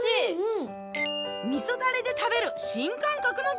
味噌ダレで食べる新感覚の餃子